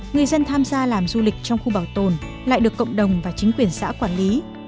người dân tham gia làm du lịch trong khu bảo tồn lại được cộng đồng và chính quyền xã quản lý